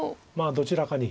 どちらかに。